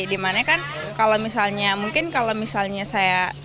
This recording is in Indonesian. dimana kan kalau misalnya mungkin kalau misalnya saya